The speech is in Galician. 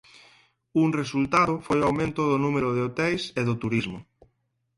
Un resultado foi un aumento do número de hoteis e do turismo.